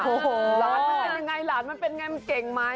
หลานมันเป็นยังไงหลานมันเป็นยังไงมันเก่งมั้ย